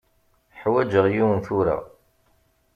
Ḥwaǧeɣ yiwen tura.